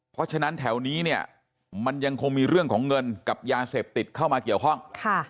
เพราะฉะนั้นแถวนี้เนี่ยมันยังคงมีเรื่องของเงินกับยาเสพติดเข้ามาเกี่ยวข้อง